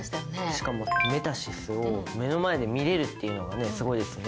しかもＭｅｔａｓｙｓを目の前で見られるっていうのがすごいですよね